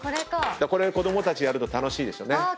これ子供たちやると楽しいでしょうね。